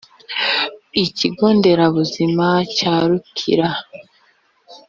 ikigo nderabuzima cya rukira